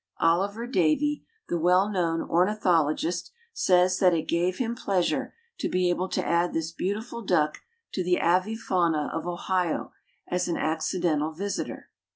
Oliver Davie, the well known ornithologist, says that it gave him pleasure to be able to add this beautiful duck to the avifauna of Ohio as an accidental visitor.